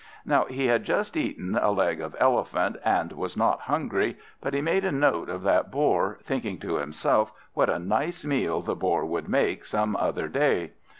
Now he had just eaten a leg of elephant, and was not hungry; but he made a note of that Boar, thinking to himself what a nice meal the Boar would make some other day.